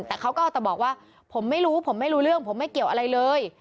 แต่เขาก็เอาแต่บอกว่าผมไม่รู้ผมไม่รู้เรื่องผมไม่เกี่ยวอะไรเลย